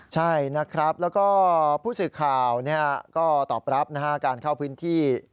ใช่นะครับแล้วก็ผู้สื่อข่าวก็ตอบรับการเข้าพื้นที่